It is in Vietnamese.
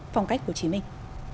trong cách của chí minh